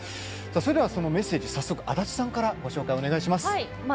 そのメッセージを早速、足立さんからご紹介お願いします。